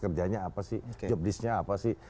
kerjanya apa sih job list nya apa sih